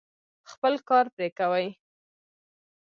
خپل کار پرې کوي.